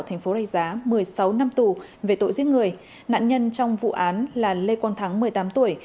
thành phố rạch giá một mươi sáu năm tù về tội giết người nạn nhân trong vụ án là lê quang thắng một mươi tám tuổi